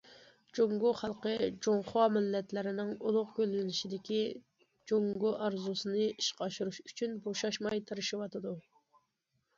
جۇڭگو خەلقى جۇڭخۇا مىللەتلىرىنىڭ ئۇلۇغ گۈللىنىشىدىكى جۇڭگو ئارزۇسىنى ئىشقا ئاشۇرۇش ئۈچۈن بوشاشماي تىرىشىۋاتىدۇ.